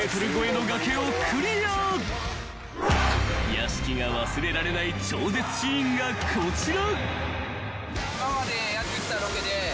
［屋敷が忘れられない超絶シーンがこちら］